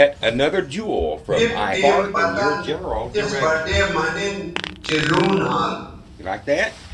پِھک ٹیم پتَن تِس بٹے مہ نِن چہء لوں نھال